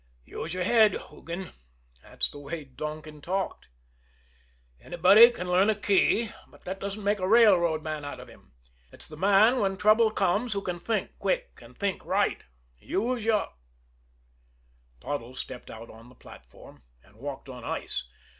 "Use your head, Hoogan" that's the way Donkin talked "anybody can learn a key, but that doesn't make a railroad man out of him. It's the man when trouble comes who can think quick and think right. Use your " Toddles stepped out on the platform and walked on ice.